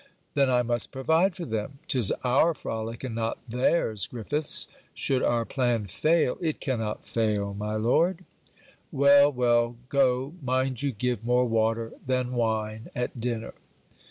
'Then, I must provide for them! 'Tis our frolic, and not theirs, Griffiths. 'Should our plain fail ' 'It cannot fail, my lord,' 'Well, well go mind you give me more water than wine at dinner.'